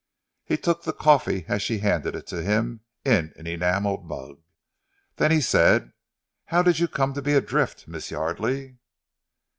He took the coffee as she handed it to him in an enamelled mug, then he said: "How did you come to be adrift, Miss Yardely?"